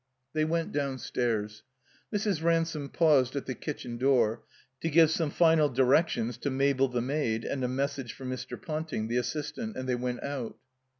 They went downstairs. Mrs. Ransome paused at the kitchen door to give some final directions to Mabel, the maid, and a message for Mr. Ponting, the assistant; and they went out.